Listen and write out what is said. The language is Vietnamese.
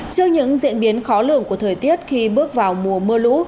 trước những diễn biến khó lường của thời tiết khi bước vào mùa mưa lũ